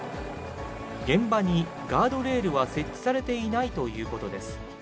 現場にガードレールは設置されていないということです。